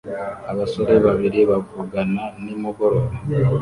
Abasore babiri bavugana nimugoroba